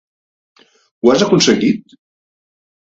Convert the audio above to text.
Ho has aconseguit?